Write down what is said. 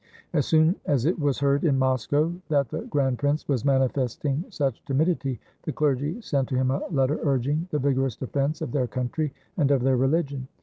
" As soon as it was heard in Moscow that the grand prince was manifesting such timidity, the clergy sent to him a letter urging the vigorous defense of their country and of their religion.